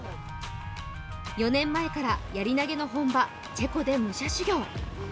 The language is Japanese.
４年前からやり投げの本場チェコで武者修行。